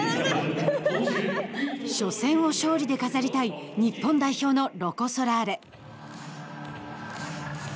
初戦を勝利で飾りたい日本代表のロコ・ソラーレ。